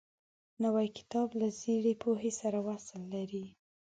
نوی کتاب له زړې پوهې سره وصل لري